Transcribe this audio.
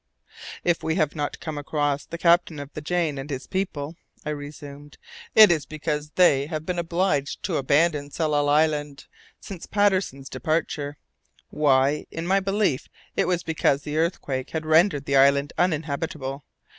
"If we have not come across the captain of the Jane and his people," I resumed, "it is because they have been obliged to abandon Tsalal Island since Patterson's departure. Why? In my belief, it was because the earthquake had rendered the island uninhabitable.